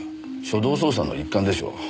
初動捜査の一環でしょう。